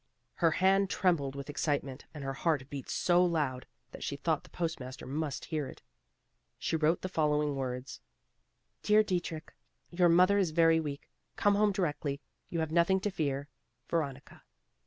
Her hand trembled with excitement and her heart beat so loud, that she thought the post master must hear it. She wrote the following words: "Dear Dietrich; your mother is very weak. Come home directly. You have nothing to fear. Veronica."